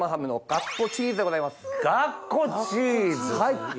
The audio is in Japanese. がっこチーズ？